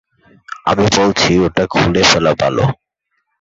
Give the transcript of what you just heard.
আমি বলছি ওটা খুলে ফেলা ভালো।